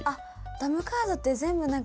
ダムカードって全部。